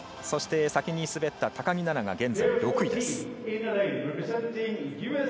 そして、先に滑った高木菜那が現在６位です。